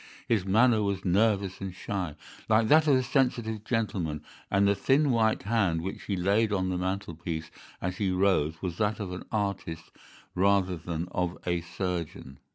His manner was nervous and shy, like that of a sensitive gentleman, and the thin white hand which he laid on the mantelpiece as he rose was that of an artist rather than of a surgeon.